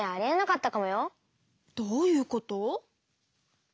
どういうこと？